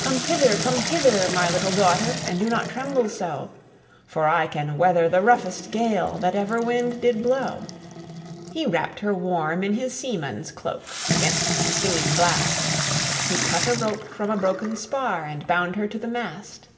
"Come hither! come hither! my little daughter, And do not tremble so; For I can weather the roughest gale That ever wind did blow." He wrapped her warm in his seaman's coat Against the stinging blast; He cut a rope from a broken spar, And bound her to the mast.